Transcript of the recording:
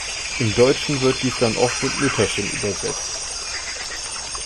Im Deutschen wird dies dann oft mit „Mütterchen“ übersetzt.